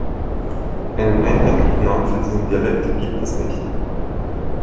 Einen einheitlichen Namen für diesen Dialekt gibt es nicht.